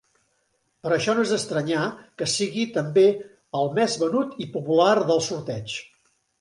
Per això no és d'estranyar que sigui també el més venut i popular dels Sorteigs.